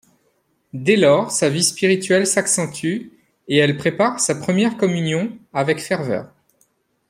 Dès lors, sa vie spirituelle s'accentue, et elle prépare sa Première communion avec ferveur.